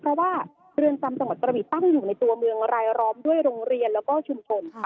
เพราะว่าเรือนจำจังหวัดกระบีตั้งอยู่ในตัวเมืองรายล้อมด้วยโรงเรียนแล้วก็ชุมชนค่ะ